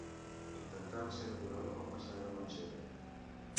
Intentava ser natural quan passava davant seu.